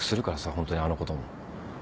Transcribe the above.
ホントにあのことも。